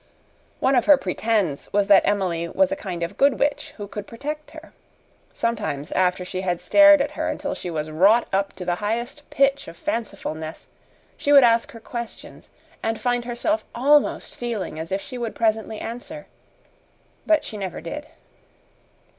One of her "pretends" was that Emily was a kind of good witch who could protect her. Sometimes, after she had stared at her until she was wrought up to the highest pitch of fancifulness, she would ask her questions and find herself ALMOST feeling as if she would presently answer. But she never did.